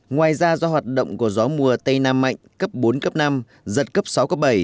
ngoài ra do hoạt động của gió mùa tây nam mạnh cấp bốn cấp năm giật cấp sáu cấp bảy